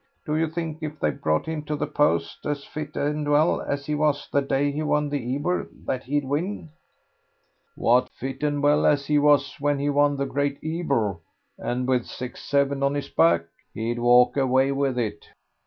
"Do you think if they brought him to the post as fit and well as he was the day he won the Ebor that he'd win?" "What, fit and well as he was when he won the Great Ebor, and with six seven on his back? He'd walk away with it."